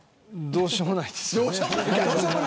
どうしょうもないです。